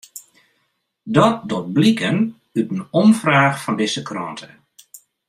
Dat docht bliken út in omfraach fan dizze krante.